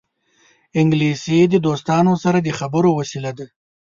انګلیسي د دوستانو سره د خبرو وسیله ده